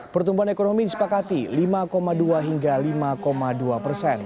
pertumbuhan ekonomi disepakati lima dua hingga lima dua persen